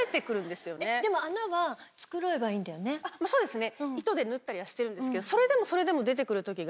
そうですね。